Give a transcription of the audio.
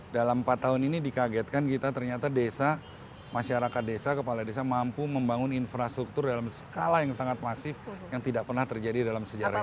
dalam empat tahun ini dikagetkan kita ternyata desa masyarakat desa kepala desa mampu membangun infrastruktur dalam skala yang sangat masif yang tidak pernah terjadi dalam sejarah ini